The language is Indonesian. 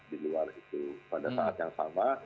di luar itu pada saat yang sama